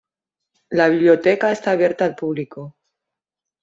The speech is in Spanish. La biblioteca está abierta al público.